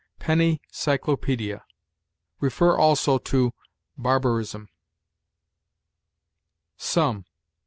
"Penny Cyclopædia." See, also, BARBARISM. SOME.